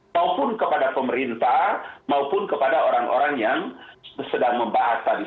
maupun kepada pemerintah maupun kepada orang orang yang sedang membahas tadi